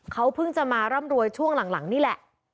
เขาเพิ่งจะมาร่ำรวยช่วงหลังนี่แหละ